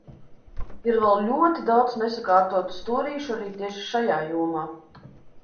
Ir vēl ļoti daudz nesakārtotu stūrīšu arī tieši šajā jomā.